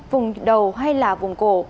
vùng đầu hay là vùng cổ